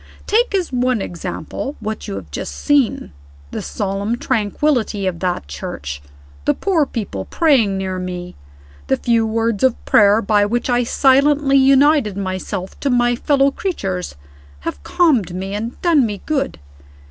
Take as one example what you have just seen. The solemn tranquillity of that church, the poor people praying near me, the few words of prayer by which I silently united myself to my fellow creatures, have calmed me and done me good.